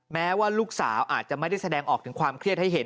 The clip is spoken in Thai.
แม้ว่าลูกสาวอาจจะไม่ได้แสดงออกถึงความเครียดให้เห็น